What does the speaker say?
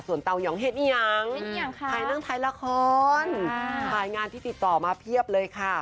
ส่วนเตาหยองเห็นไหยยังภายเรื่องทลาขอนด์ภายงานที่ติดต่อมาเพียบเลยค่ะ